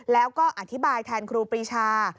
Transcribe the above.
แล้วก็อธิบายแทนครูปรีชา